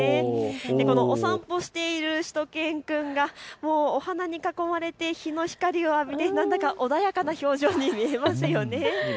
このお散歩しているしゅと犬くんがお花に囲まれて日の光を浴びてなんだか穏やかな表情に見えますよね。